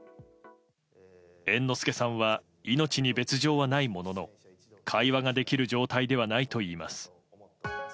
猿之助さんは命に別条はないものの会話ができる状態ではないといいます。